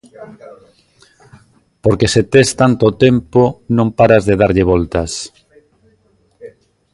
Porque se tes tanto tempo non paras de darlle voltas.